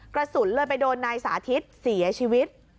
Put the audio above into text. กระสุนเลยไปโดนนายสาธิตเสียชีวิต